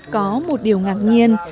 có một điều ngạc nhiên